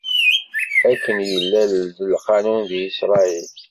Akken yella d lqanun di Isṛayil.